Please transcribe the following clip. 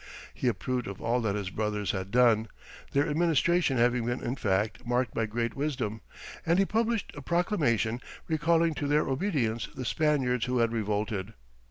He approved of all that his brothers had done, their administration having been in fact, marked by great wisdom, and he published a proclamation recalling to their obedience the Spaniards who had revolted.